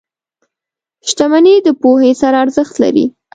• شتمني د پوهې سره ارزښت لري.